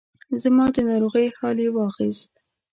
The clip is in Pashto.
زما د ناروغۍ حال یې واخیست.